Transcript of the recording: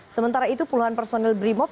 sementara itu puluhan personil brimop